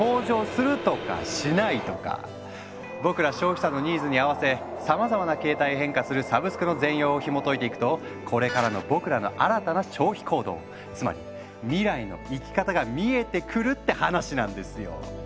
僕ら消費者のニーズに合わせさまざまな形態へ変化するサブスクの全容をひもといていくとこれからの僕らの新たな消費行動つまり未来の生き方が見えてくるって話なんですよ！